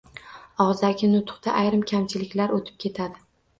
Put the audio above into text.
Og‘zaki nutqda ayrim kamchiliklar o‘tib ketadi.